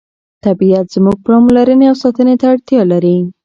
طبیعت زموږ پاملرنې او ساتنې ته اړتیا لري